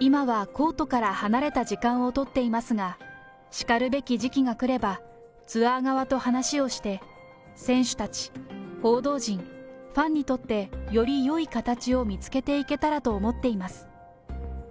今はコートから離れた時間を取っていますが、しかるべき時期が来れば、ツアー側と話をして、選手たち、報道陣、ファンにとって、よりよい形を見つけていけたらと思っています。